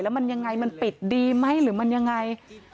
มันยังไงมันปิดดีไหมหรือมันยังไง